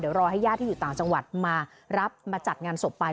เดี๋ยวรอให้ญาติที่อยู่ต่างจังหวัดมารับมาจัดงานศพไป